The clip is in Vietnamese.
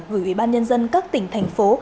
gửi ubnd các tỉnh thành phố